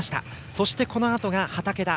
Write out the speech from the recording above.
そして、このあとは畠田。